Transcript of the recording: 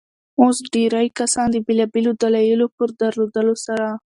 اوس ډېرى کسان د بېلابيلو دلايلو په درلودلو سره.